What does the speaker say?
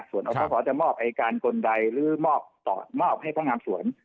ส่วนอพศจะมอบอายการคนใดหรือมอบให้พนักงานสวน